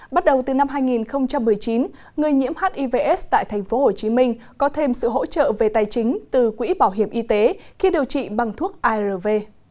bắt đầu từ năm hai nghìn một mươi chín người nhiễm hivs tại tp hcm có thêm sự hỗ trợ về tài chính từ quỹ bảo hiểm y tế khi điều trị bằng thuốc arv